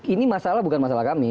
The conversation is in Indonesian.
ini masalah bukan masalah kami